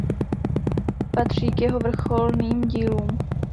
Patří k jeho vrcholným dílům.